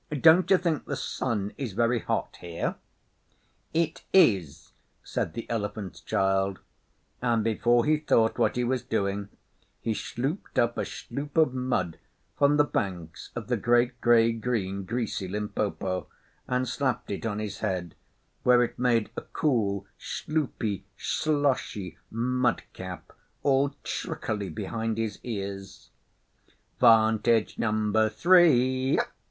Don't you think the sun is very hot here?' 'It is,' said the Elephant's Child, and before he thought what he was doing he schlooped up a schloop of mud from the banks of the great grey green, greasy Limpopo, and slapped it on his head, where it made a cool schloopy sloshy mud cap all trickly behind his ears. 'Vantage number three!